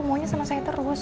maunya sama saya terus